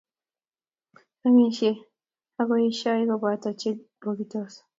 Amisiei ak koeeisei koboto che bogitos